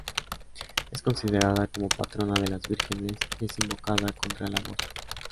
Es considerada como patrona de las vírgenes y es invocada contra el aborto.